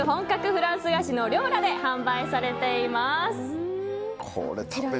フランス菓子のリョウラで販売されています。